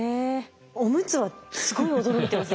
おむつはすごい驚いてます